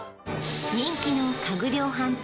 人気の家具量販店